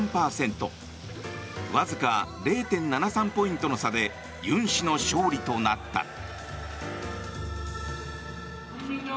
わずか０．７３ポイントの差でユン氏の勝利となった。